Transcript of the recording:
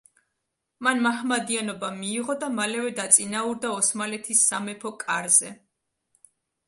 მან მაჰმადიანობა მიიღო და მალევე დაწინაურდა ოსმალეთის სამეფო კარზე.